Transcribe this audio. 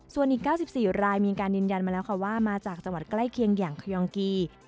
ส่วนอีก๙๔รายมีการนินยันว่ามาจากจังหวัดใกล้เคียงอย่างเคยองกี